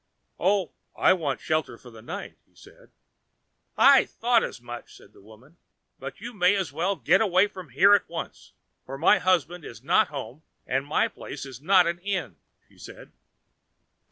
"Oh, I want a shelter for the night," he said. "I thought as much," said the woman; "but you may as well get away from here at once, for my husband is not at home, and my place is not an inn," she said.